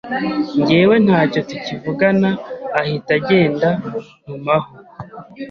njyewe ntacyo tukivugana ahita agenda ntumaho